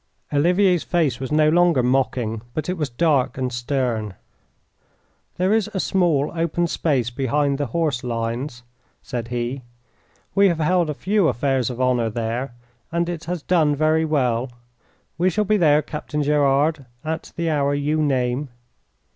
Olivier's face was no longer mocking, but it was dark and stern. "There is a small open space behind the horse lines," said he. "We have held a few affairs of honour there and it has done very well. We shall be there, Captain Gerard, at the hour you name."